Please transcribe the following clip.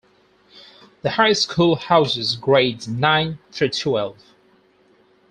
The high school houses grades nine through twelve.